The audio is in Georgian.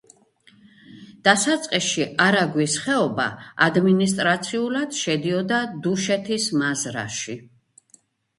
დასაწყისში არაგვის ხეობა ადმინისტრაციულად შედიოდა დუშეთის მაზრაში.